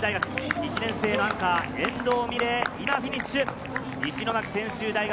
１年生アンカー、遠藤美玲、今フィニッシュ。